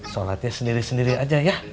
sholatnya sendiri sendiri aja ya